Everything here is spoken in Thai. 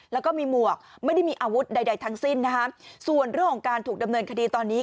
แล้วก็มีหมวกไม่ได้มีอาวุธใดใดทั้งสิ้นนะคะส่วนเรื่องของการถูกดำเนินคดีตอนนี้